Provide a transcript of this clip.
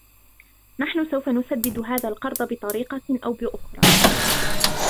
نحن سوف نسدد هذا القرض بطريقة أو بأخرى.